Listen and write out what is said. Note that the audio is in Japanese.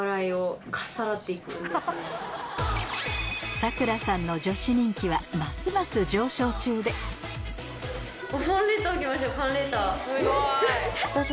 咲楽さんの女子人気はますます上昇中で結構。